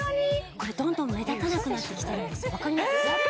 これどんどん目立たなくなってきてるんですわかりますか？